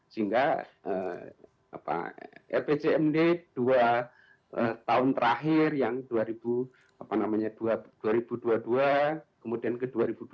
sehingga rpcmd dua tahun terakhir yang dua ribu dua puluh dua kemudian ke dua ribu dua puluh